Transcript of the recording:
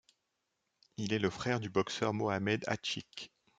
Il est le frère du boxeur Mohamed Achik.